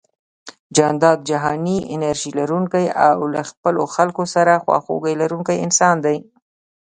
جانداد جهاني انرژي لرونکی او له خپلو خلکو سره خواخوږي لرونکی انسان دی